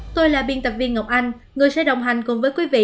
tôi là biên tập viên ngọc anh người sẽ đồng hành cùng với quý vị